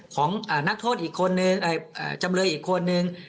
ของนักโทษอีกคนนึงจำเลยอีกคนนึง